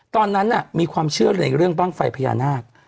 ตอนนั้นมีความเชื่อในเรื่องบ้างไฟพญานาค